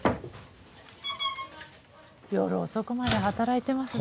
夜遅くまで働いてますね。